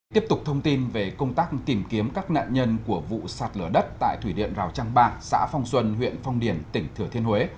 tiếp tục thông tin về công tác tìm kiếm các nạn nhân của vụ sạt lở đất tại thủy điện rào trang ba xã phong xuân huyện phong điền tỉnh thừa thiên huế